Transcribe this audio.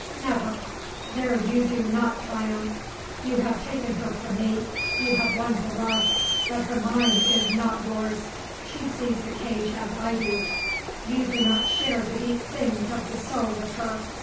never! there you do not triumph! You have taken her from me; you have won her love; but her mind is not yours; she sees the cage as I do; you do not share the deep things of the soul with her.